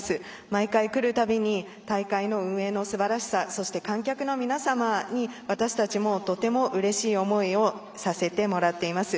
毎回来るたびに大会の運営のすばらしさそして観客の皆様に、私たちもとてもうれしい思いをさせてもらっています。